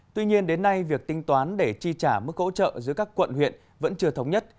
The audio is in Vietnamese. tuy nhiên đến nay việc tinh toán để chi trả mức hỗ trợ giữa các quận huyện vẫn chưa thống nhất